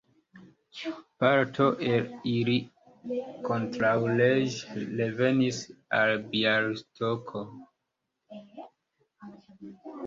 Parto el ili kontraŭleĝe revenis al Bjalistoko.